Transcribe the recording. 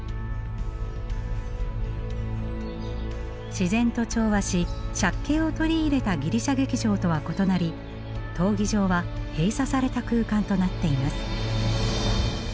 自然と調和し借景を取り入れたギリシャ劇場とは異なり闘技場は閉鎖された空間となっています。